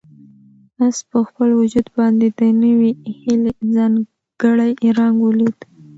آس په خپل وجود باندې د نوې هیلې ځانګړی رنګ ولید.